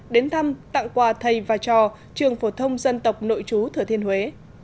đến thăm tặng quà thầy và trò trường phổ thông dân tộc nội chú thừa thiên huế